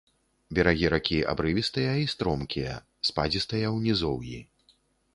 Берагі ракі абрывістыя і стромкія, спадзістыя ў нізоўі.